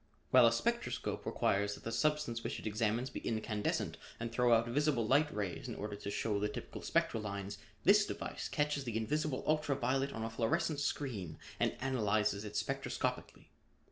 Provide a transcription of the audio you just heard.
While a spectroscope requires that the substance which it examines be incandescent and throw out visible light rays in order to show the typical spectral lines, this device catches the invisible ultra violet on a fluorescent screen and analyzes it spectroscopically.